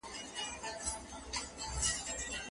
د غریب پر مرګ څوک نه ژاړي.